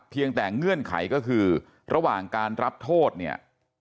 เพียงแต่เงื่อนไขก็คือระหว่างการรับโทษเนี่ย